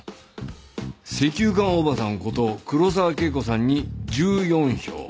石油缶オバさんこと黒沢恵子さんに１４票。